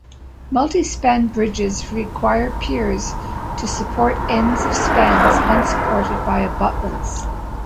Multi-span bridges require piers to support ends of spans unsupported by abutments.